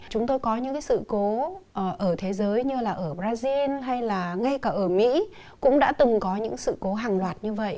chúng tôi có những sự cố ở thế giới như là ở brazil hay là ngay cả ở mỹ cũng đã từng có những sự cố hàng loạt như vậy